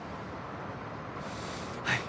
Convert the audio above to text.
はい。